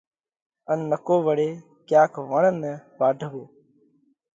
ان نڪو وۯي ڪياڪ وڻ نئہ واڍوو۔